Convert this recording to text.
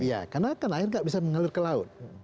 iya karena kan air gak bisa mengalir ke laut